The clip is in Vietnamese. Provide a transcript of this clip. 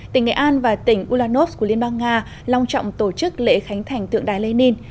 tỉnh nghệ an và tỉnh ulanos của liên bang nga long trọng tổ chức lễ khánh thành tượng đài lenin